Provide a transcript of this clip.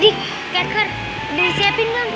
dik kerker udah disiapin kan